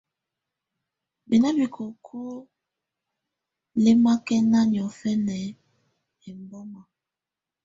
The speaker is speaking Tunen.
Mɛ́ ná bikókó lɛ́mákɛ́ná niɔ̀fɛ́ná ɛmbɔ́ma.